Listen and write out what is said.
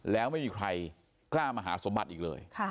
แล้วไม่มีใครกล้ามาหาสมบัติอีกเลย